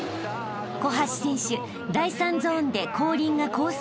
［小橋選手第３ゾーンで後輪がコース